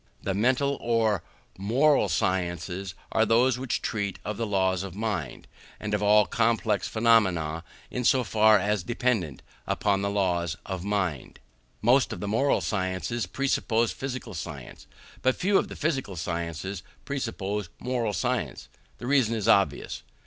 The mental or moral sciences are those which treat of the laws of mind, and of all complex phenomena in so far as dependent upon the laws of mind. Most of the moral sciences presuppose physical science; but few of the physical sciences presuppose moral science. The reason is obvious.